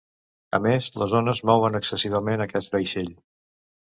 A més, les ones mouen excessivament aquest vaixell.